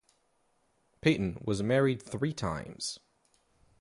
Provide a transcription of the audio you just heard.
Paton was married three times.